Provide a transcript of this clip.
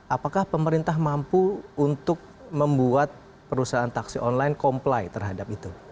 apakah pemerintah mampu untuk membuat perusahaan taksi online comply terhadap itu